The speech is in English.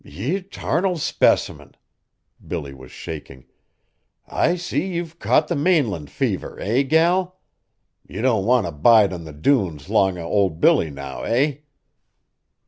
"Yer 'tarnal specimint!" Billy was shaking. "I see ye've caught the mainland fever, eh, gal? Ye don't want t' bide on the dunes 'long o' old Billy, now, eh?"